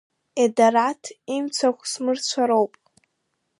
Едараҭ имцахә смырцәароуп.